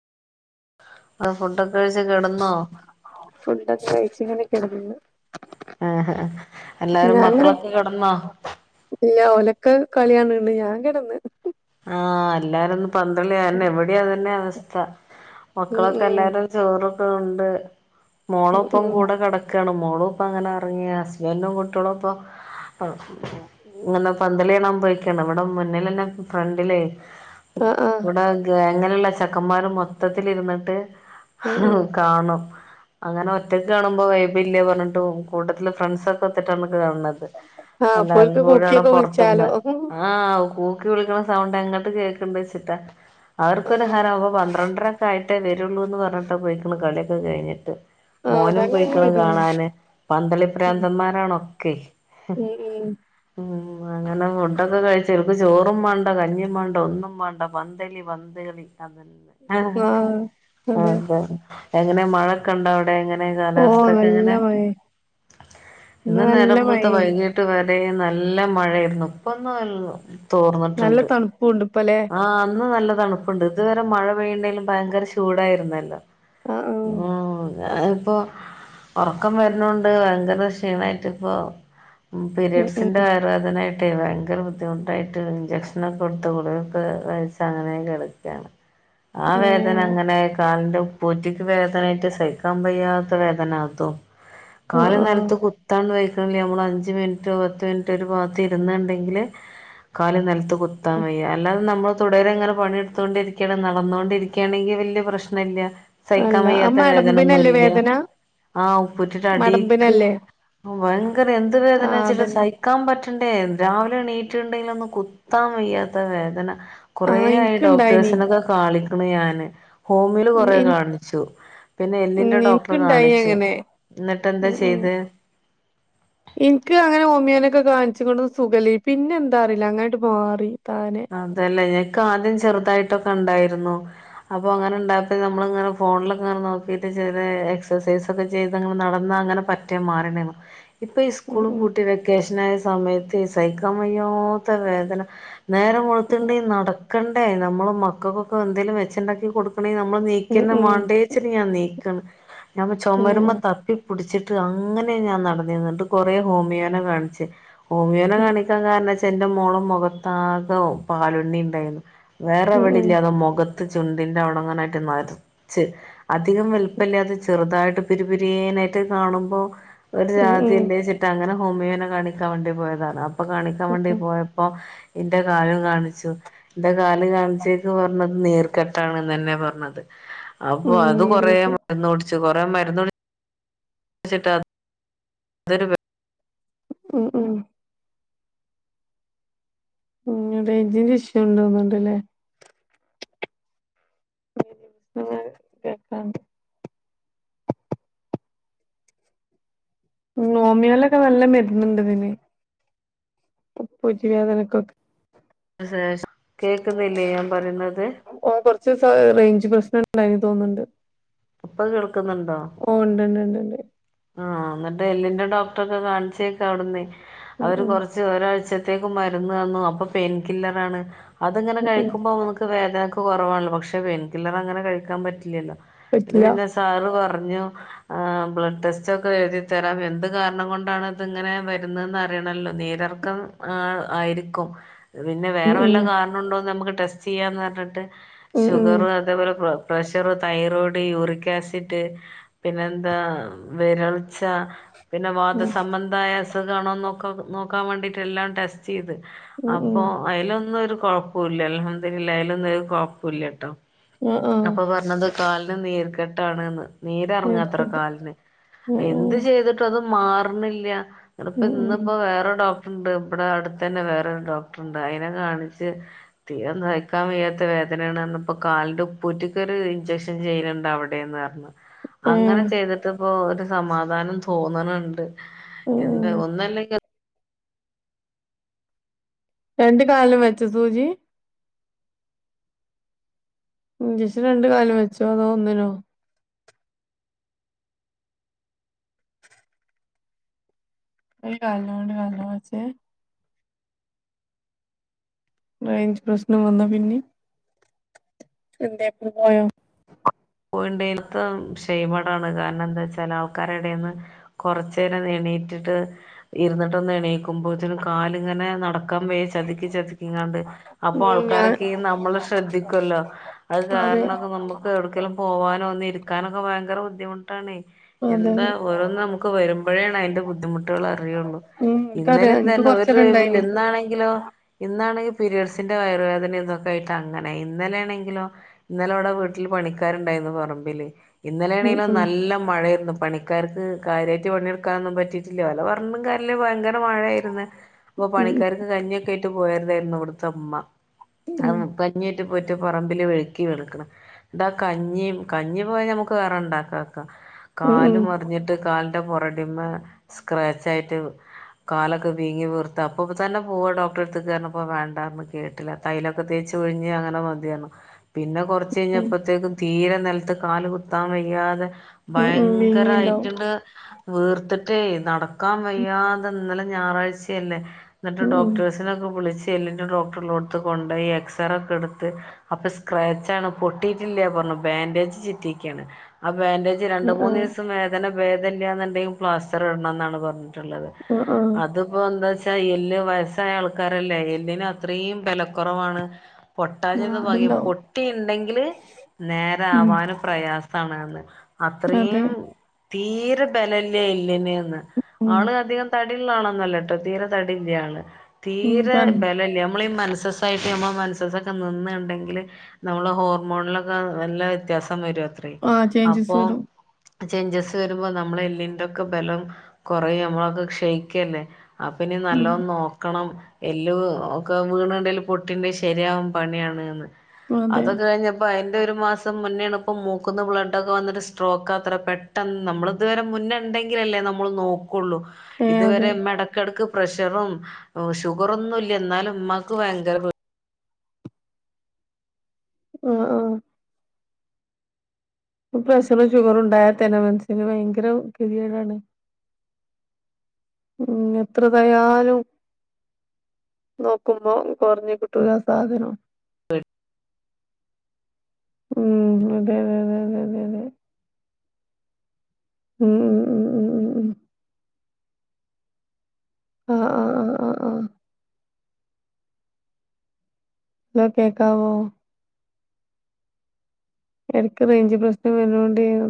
അഹ് ഫുഡൊക്കെ കഴിച്ച് കെടന്നോ? ഫുഡ്ക്കെ കഴിച്ച് ഇങ്ങനെക്കിടന്ന്. ആഹ് എല്ലാരും മക്കളൊക്കെ കിടന്നാ? ഇല്ലാ ഓലക്ക് കളികാണ് ണ് ഞാൻ കെടന്ന്. ആഹ് എല്ലാര ഒന്ന് പന്തളി കാര്ണേ ഇവടെ അതന്നെ അവസ്ഥ. ഉം മക്കളൊക്കെ ഉം എല്ലാരും ചോറൊക്കെ ഉണ്ട് ഉം മോളൊപ്പം ഉം കൂടെ കെട ക്കെണ് മോളും ഇപ്പ അങ്ങനെ ഒറങ്ങി ഹസ്ബൻഡും കുട്ട്യളും ഇപ്പൊ ആഹ് ഉം ഉം ഇങ്ങനെ പന്തളികാണാൻ പോയക്കാണ് ഇവടെ മുന്നിലന്നെ ഫ്രേണ്ടിലെ ആഹ് ആഹ് ഇവടെ എങ്ങനെയുള്ള ചെക്കന്മാരും മൊത്തത്തിലിരുന്നിട്ട് ഉം ഉം കാണും അങ്ങനെ ഒറ്റക്ക് കാണുമ്പോ വൈബ് ഇല്ലയെന്ന് പറഞ്ഞിട്ട് കൂടുതല് ഫ്രണ്ട്സ് ഒക്കെ ഒത്തിട്ടാണ് കാണ ത് ആഹ് അപ്പോൽക്ക് [unintelligible] കൂക്കിയൊക്കെ പൊറത്ത്ന്ന് വിളിച്ചാലോ ആഹ് കൂക്കി വിളിക്കണ സൗണ്ട് എങ്ങട്ട് കേൾക്കണ്ട് വെച്ചിട്ടാ അവർക്കൊരു ഹരം ആഹ് അപ്പം പന്ത്രണ്ടരൊക്കെ ആയിട്ടേ വെരുള്ളൂന്ന് പറഞ്ഞിട്ട് പോയിക്കണ് കളിയൊക്കെ കഴിഞ്ഞിട്ട് മോനും അതങ്ങനെ പൊയിക്കണ് വരുള്ളൂ കാണാന് പന്ത്ളി പ്രാരാന്തന്മാരാണൊക്കെ ഉം ഉം ഉം ഉം അങ്ങനെ ഫുഡൊക്കെ കഴിച്ച് [unintelligible] ചോറും മണ്ട കഞ്ഞി മണ്ട ഒന്നും മണ്ട പന്തളി പന്തളി അതല്ല ആഹ് അതെ ആഹ് അതെ എങ്ങനെ മഴക്കെ ഒണ്ടോ അവടെ എങ്ങ നെ ഓഹ് കാലാവസ്ഥക്കെ നല്ല എങ്ങനെ മഴേ ഇന്ന് നല്ല നേരവെളുത്ത മഴേന്ന് വൈകി ട്ട് വരെ നല്ല മഴയാരുന്നു ഇപ്പം ഒന്ന് നല്ല തോർന്നിട്ടിണ്ട് തണുപ്പുണ്ട് ഇപ്പല്ലേ ആഹ് അന്ന് നല്ല തണു പ്പുണ്ട് ഇതുവരെ മഴ പെയ്യണ്ടെലും ഭയങ്കര ചൂടായിരുന്നല്ലോ ആഹ് ആഹ് അതാ ഇപ്പോ ഒറക്കം വെരുന്നോണ്ട് ഭയങ്കര ക്ഷീണായിട്ട് ഇപ്പൊ ഉം ഉം പീരിഡ്സിന്റെ വയറുവേദനയായിട്ടെ ഭയങ്കര ബുദ്ധിമു ട്ടായിട്ട് ഇഞ്ചെക്ഷനൊക്കെ കൊടുത്ത് ഗുളികയൊക്കെ കഴിച്ച് അങ്ങനെയൊ കെടക്കയാണ് ആ വേദന ഏഹ് അങ്ങനെ കാലിന്റെ ഉ പ്പൂറ്റിക്ക് വേദനായിട്ട് സഹിക്കാൻ പയ്യാത്ത വേദന അതും ആഹ് കാല് ആഹ് നെൽത്ത് കു ത്താൻ കയിക്കണില്ല നമ്മള് അഞ്ച് മിൻറ്റോ പത്ത് മിൻറ്റോ ഒരു ഭാഗത്ത് ഇരുന്നെണ്ടെങ്കില് കാല് നിൽത്ത് കുത്താൻ വയ്യ അല്ലാതെ നമ്മള് തുടരെ ഇങ്ങനെ പണിയെടുത്ത് കൊണ്ടിരിക്യാണ് നടന്നൊണ്ടിരിക്യാണെങ്കി വല്യയ പ്രശ്നം ഇല്ല സയിക്കാൻ അല്ല അത് വയ്യാത്ത വേദന ഒന്നു മടമ്പിനല്ലേ ഇല്ല വേദന ആഹ് ഉപ്പുറ്റിടെ അടിക്ക് മടമ്പിനല്ലേ ഭയങ്കര എന്ത് വേദന ആഹ് വച്ചിട്ട അതന്നെ സയി ക്കാൻ പറ്റണ്ടേ രാവിലെ എണീറ്റ് ഉണ്ടെലൊന്ന് കുത്താൻ വയ്യാത്ത വേദന കൊറേ ആഹ് ആയി ഇൻക്ക്ണ്ടായിനി ഡോക്ടേഴ്സിനൊക്കെ കാളിക്കണ് ഞാന് ഹോമിയോല് കൊറെ ഇൻ കാണിച്ചു പിന്നെ എല്ലിന്റെ ഡോക്ടറെ എനിക്കുണ്ടായി കാണിച്ചു അങ്ങനെ എന്നിട്ട് എന്താ ചെയ്തേ എൻക്ക് അങ്ങനെ ഹോമിയാനെക്കെ കാണിച്ച് കൊണ്ടു വന്ന് സുഖലി പിന്നെ എന്താറിയില്ല അങ്ങായിട്ട് മാറി താനെ അതല്ലേ എക്ക് ആദ്യം ചെറുതായിട്ടൊക്കെ ഒണ്ടായിരുന്നു അപ്പൊ അങ്ങനെ ഉണ്ടായപ്പോ നമ്മളങ്ങ് അങ്ങനെ ഫോണിലൊക്കെ ഇങ്ങനെ നോക്കിട്ട് ചെലെ എക്സസൈസ് ഒക്കെ ചെയ്തങ്ങനെ നടന്നാ അങ്ങനെ പറ്റെ മാറി [unintelligible] ഇപ്പൊ ഈ ഉം സ്കൂള് ഉം പൂട്ടി വെക്കേഷൻ ആയ സമയത്ത് ഈ സൈക്കമയ്യാത്തെ വേദന നേരം വെളുത്തുണ്ടെ നടക്കണ്ടേ നമ്മള് മക്കകൊക്കെ എന്തേലും വെച്ച് ഇണ്ടാക്കി കൊടുക്കണെ നമ്മള് ഉം നീക്കെന്നും ഉം ഉം മാണ്ടേച്ച് ഞാൻ നീക്കണ് ഞമ്മ ചൊമരമ്മ ഏഹ് തപ്പി പിടിച്ചിട്ട് അങ്ങനെ ഞാൻ നടന്നിരുന്നത് എന്നിട്ട് കൊറെ ഹോമിയോനെ കാണിച്ച് ഹോമിയോനെ ഉം കാണിക്കാൻ കാരണ വെച്ച എന്റെ മോളും മൊഖത്താകെ പാലുണ്ണി ഇണ്ടായിരുന്നു വേറെ ഉം എവിടെ ഉം ഇല്ലാ അതോ മൊഖത്ത് ചുണ്ടിന്റെ അവടങ്ങനായിട്ട് നറ ച്ച് അധികം വലുപ്പയില്ലാതെ ചെറുതായിട്ട് പിരി പിരിയാനായിട്ട് കാണുമ്പോ ഒരു ഉം ഉം [unintelligible] അങ്ങനെ ഹോമിയോനെ കാണിക്കാൻ വേണ്ടി പോയതാണ് അപ്പം കാണിക്കാൻ വേണ്ടി ഉം പോയപ്പോ എന്റെ കാലും കാണിച്ചു എന്റെ കാല് കാണിച്ചേക്ക് പറഞ്ഞത് നീർക്കെട്ടാണ് എന്ന് തന്നെയാ പറഞ്ഞത് അപ്പൊ ഉം അത് നീര് കൊറെ കെട്ട് മരുന്ന് കുടിച്ച് കൊറെ മരുന്ന് ച്ചിട്ട് അ തൊര് ഉം ഉം ഉം റേഞ്ചിന്റെ ഇഷ്യൂ ഇണ്ടോന്ന് തോന്ണ്ടല്ലേ [unintelligible] കേക്കാ നോമിയോലൊക്കെ നല്ല മരുന്നുണ്ട് ഇതിനെ ഉപ്പൂറ്റി വേദനക്കെക്കെ ആഹ് കേൾക്കുന്നില്ലേ ഞാൻ പറയുന്നത് ഓ കുറച്ച് റേഞ്ച് പ്രശ്നംണ്ടായിനി തോന്നുന്നുണ്ട് ഇപ്പ കേൾക്കുന്നുണ്ടോ ഓ ഉണ്ട്ണ്ട് ഉണ്ട്ണ്ട് ആഹ് എന്നിട്ട് എല്ലിന്റെ ഡോക്ടർ ഒക്കെ കാണിച്ചേക്ക അവിടുന്ന ഉം അവര് ഉം കൊറച്ച് ഒരാഴ്ചത്തേക്ക് മരുന്ന് വന്നു അപ്പൊ പെയിൻ കില്ലറാണ് അത്ങ്ങനെ ഉം ഉം കഴിക്കുമ്പോ ന വേദനൊക്കെ കുറവാണല്ല പക്ഷെ പെയിൻ കില്ലർ അങ്ങനെ കഴിക്കാൻ പറ്റില്ലല്ലോ അഹ് പറ്റില്ല പിന്നെ സാറ് പറഞ്ഞു് ബ്ലഡ് ടെസ്റ്റ് ഇച്ചക്കെ എഴുതിത്തരാം എന്ത് കാരണം കൊണ്ടാണ് ഇതി ഇങ്ങനെ വരുന്നതെന്ന് അറിയണമല്ലോ നീരർക്കം ആഹ് ആയിരിക്കും പിന്നെ ഉം വേറെ ഉം വല്ല കാരണംമ ഉണ്ടോകും നമുക്ക് ടെസ്റ്റ് ചെയ്യാന്ന് പറഞ്ഞിട്ട് ഉം ഉം ഷുഗറ് അതേപോലെ പ്രഷർ തൈറോയിഡ് യൂറിക് ആസിഡ് പിന്നെ എന്താ വിരൾ ചു പിന്നെ ഉം വാദസബന്ധമായ അസുഖണോക്ക നോക്കാൻ വേണ്ടിട്ട എല്ലാം ടെസ്റ്റ് ചെയ്ത് ഉം അപ്പൊ ഉം അതിലൊന്നര് കൊ ല്ല അല്ല അയാലും ഒന്ന കുഴപ്പില്ല കേട്ടോ ആഹ് ആഹ് അപ്പൊ എന്നത് കാലിന് നീർ കെട്ടാണ്ന്ന് നീരിറങ്ങാത്ര നേർക്കട്ട് കാലിന് ഉം എന്ത് ഉം ചെയ്തിട്ടും അത് മാറണില്ല ഇപ്പ ഉം ഉം ഇന്നിപ്പോ വേറെ ഡോക്ട ഡോക്ടർണ്ട് ഇവിടെ അടുത്ത് തന്നെ വേറെൊരു ഡോക്ടർ ഉണ്ട് അതിനെ കാണിച്ച് തീര നയ്ക്കാൻ വയ്യാത്ത വേദനയാണ്ന്നപ്പോ കാലിന്റെ ഉപ്പൂറ്റിക്ക് ഒരു ഇഞ്ചക്ഷൻ ചെയ്യുന്നുണ്ട് അവിടെ ന്ന് പറ അങ്ങനെ ഏഹ് ചെയ്തിട്ട് ഇപ്പോ ഒരു സമാധാനം തോന്നണുണ്ട് ഉം എന്താ ഉം ഒന്നല്ലേ രണ്ട് കാല വെച്ച സൂജി ഇഞ്ചക്ഷൻ രണ്ട് കാലം വെച്ചോ അതോ ഒന്നിനോ ഒരു കൽമേ രണ്ടും വെച്ചേ റേഞ്ച് പ്രശ്നം വന്നാ പിന്നെ എന്തപ്പ പോയോ യിണ്ടത്തെ ഷെയ്മടാണ് കാരണം എന്താ വെച്ചാ ആൾക്കാരുടന്ന് കൊറച്ചു നേരം എണീറ്റിട്ട് ഇരുന്നിട്ടൊന്ന് എണീക്കുമ്പോച്ചനും കാാലിങ്ങനെ നടക്കാൻ പോയി ചതിക്കി ചതിക്ക ഇങ്ങാണ്ട് അപ്പൊ ഉം ഞാൻ ആൾക്കാരൊക്കെ നമ്മള് ശ്രദ്ധിക്കല്ലോ അത് അതെ കാരണൊക്കെ നമുക്ക് എടക്കെലും പോവാനോ ഒന്ന് ഇരിക്കാനൊക്കെ ഭയങ്കര ബുദ്ധിമുട്ടാണ് അതെ എന്താ അതെ ഓരോന്ന് നമുക്ക് വരുമ്പോഴോണ് അതിൻ്റെ ബുദ്ധിമുട്ടുകൾ അറിയുള്ളൂ ഉം ഇൻക്കറിയാ ഇന്നലും ഇൻക്ക് തന്നെ ഒരു കൊറച്ചേരം ഇണ്ടായിനി ഓഴവുല്ലന്നാണെങ്കിലോ ഇന്നാണെങ്കിൽ പീരയഡ്സിൻ്റെ വയറുവേദന ഇതൊക്കെ ആയിട്ട് അങ്ങനെ ഇന്നലെയാണെങ്കിലോ ഇന്നലെ ഇവിടെ വീട്ടിൽ പണിക്കാരുണ്ടായിരുന്നു പറമ്പില് ഉം ഇന്നലെെയാണെങ്കിലും നല്ല മഴായിരുന്നു പണ ആക്കർക്ക് കാര്യട്ട് പണെടുക്കൊും പിയിട്ടില്ല വ പറ ഭയങ്കര മഴയായിരുന്നു അപ്പൊ ഉം പണിക്കാർക്ക് കഞ്ഞൊക്കെ ഇട്ട് പോയരതായിരുന്നു അവിടുത്തെ അമ്മ ഉം അത് കഞ്ഞീട്ട് പോയിട്ട് പറമ്പില് വെഴുക്കി വെഴ്കിവിണ്ക്ക്ണ് കഞ്ഞിയ കഞ്ഞി പോയാ നമുക്ക് വേറെണ്ടാക്കാം ഉം കാല ഉം ഉം മറിഞ്ഞിട്ട് കാ പുറകിമെ സ്ക്രാച്ച് ആയിട്ട് കാലൊക്കെ വീങ്ങി വീർത്തത്ത് അപ്പൊ തന്നെ പോവാ ഡോക്ടറെ എടുത്ത് കാരഞ്ഞപ്പ വേണ്ടന്ന് കേട്ടില്ല തൈലൊക്കെ തേച്ച് ഒഴിഞ്ഞ് അങ്ങനെ മതിയാണ് പിന്നെ കുറച്ച് ഉം കഴിഞ്ഞപ്പത്തേക്കും തീരെ നിലത്ത് കാല് കുത്താൻ വയ്യാതെ ഉം ഉം വീങ്ങിണ്ടാവും ഭയങ്കരയിട്ടണ്ട് വീർത്തിട്ടേ നടക്കാൻ വയ്യാതെ ഇന്നലെ ഞായറാഴ്ചയല്ലേ എന്നിട്ട് ഉം ഉം ഉം ഡോക്ടേഴ അച്ഛനൊക്കെ വിളിച്ച് എല്ലിൻ്റെ ഡോക്ടറൽോടുത്ത് കൊണ്ട് പോയി എക്സറേ ഒക്കെ എടുത്ത് അപ്പൊ സ്ക്രാച്ച് ആണ് പൊട്ടിയിട്ടില്ല ബാൻഡേജ് ചിറ്റിാണ് ആഹ് ബൻഡേജ് രണ്ട് മൂന്ന് ആഹ് ദിവസം വേദന ഭേദല്ലുണ്ടെങ്കിൽ പ്ലാസ്റ്റർ ഇടണം എന്നാണ് പറഞ്ഞിട്ടുള്ളത് ആഹ് ആഹ് അത് ഇപ്പൾ എന്താ വെച്ചാൽ എല്ല് വയസ്സായ ആൾക്കാരല്ലേ എല്ലിന് അത്രയും ബലക്കുറവാണ് പൊട്ടാന്നത് ആഹ് ഭാഗ്യം അത്ണ്ടാവും പൊട്ടിയ ഉണ്ടെങ്കിൽ ഉം നേരവാനും പ്രയാസണ്ന്ന് അതെ അത്രീം. തീര ബല ല്ല എല്ല്ന് ന്ന്. ഉം ആള് അധികം. തടിള്ള ആളൊന്നും അല്ലട്ടോ? തീരെ തടില്യ ആള്. ഉം തീരെ പറഞ്ഞു ബല ല്ല. നമ്മളീ മൻസസ്. ട്ട്, നമ്മള് മൻസ്സസ് ഒക്കെ നിന്ണ്ടെങ്കില്. നമ്മള് ഹോർമോണില്. നല്ല വ്യത്യാസം വരൂ അത്രേ, ആ ചേഞ്ചസ് അപ്പൊ. വരും ചേയ്ഞ്ചസ് വരുമ്പോ, നമ്മളെ എല്ലിന്റെക്കെ ബലം കൊറയും. നമ്മളൊക്കെ ക്ഷയിക്കല്ലേ? അപ്പനി, ഉം നല്ലോം നോക്കണം. എല്ല് ഒക്കെ വീണണ്ടെങ്കിൽ, പൊട്ടീ ണ്ടെങ്കിൽ ശരിയാവാൻ പണിയാണ് ന്ന്. അതെ അതൊക്കെ കഴിഞ്ഞ. അപ്പ, അതിന്റെ ഒരു മാസം മുന്നേണ് ഇപ്പ, മൂക്കുന്ന ബ്ലഡ ക്കെവന്ന്ട്ട് സ്ട്രോക്ക് അത്രേ. പെട്ടെന്ന് നമ്മള്. തുവരെ മുന്നെണ്ടെങ്കില ല്ലേ? നമ്മള് നോക്കുള്ളൂ... ഏ ഇതുവരെ, അതെ ഇമ്മ ഇടക്കിടക്ക് പ്രഷറും, ഷുഗറൊന്നും ഇല്ല. ന്നാലും മ്മക്ക് ഭയങ്കര. ആഹ്, ആഹ് പ്രഷറും, ഷുഗറും, ണ്ടായാതന്നെ, മൻസന് ഭയങ്കര കെതിയെടാണ്. ഉം. എത്ര തയാലും. നോക്കുമ്പ, കൊർഞ് കിട്ടുലാ ആ, സാധനം. ഉം, അതെ, അതെ, അതെ, അതെ, അതെ. ഉം, ഉം, ഉം, ഉം. ഉം ആഹ്, ആഹ്, ആഹ്, ആഹ്, ആഹ്. ലോ, കേക്കാവോ? എടക്ക് റേഞ്ച് പ്രശ്നം വരോണോണ്ട്യ.